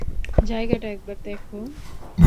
জায়গাটা একবার দেখ।